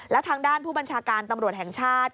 แล้วทางด้านผู้บัญชาการตำรวจแห่งชาติ